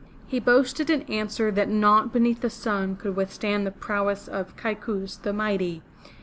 He boasted in answer that naught beneath the sun could withstand the prowess of Kaikous, the Mighty.